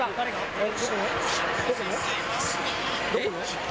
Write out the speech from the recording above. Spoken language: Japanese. えっ？